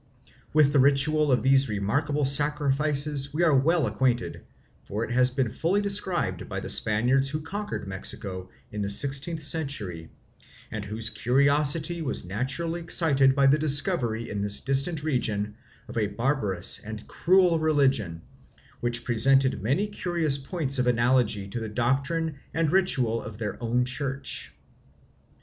With the ritual of these remarkable sacrifices we are well acquainted, for it has been fully described by the Spaniards who conquered Mexico in the sixteenth century, and whose curiosity was naturally excited by the discovery in this distant region of a barbarous and cruel religion which presented many curious points of analogy to the doctrine and ritual of their own church.